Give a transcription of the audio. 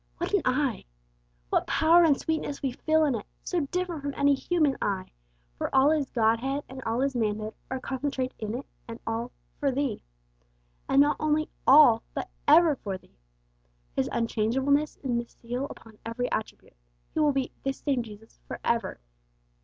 What an 'I'! What power and sweetness we feel in it, so different from any human 'I,' for all His Godhead and all His manhood are concentrated in it, and all 'for thee!' And not only 'all,' but 'ever' for thee. His unchangeableness is the seal upon every attribute; He will be 'this same Jesus' for ever.